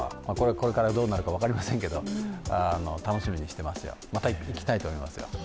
これからどうなるか分かりませんけど、楽しみにしていますよ、また行きたいと思いますよ。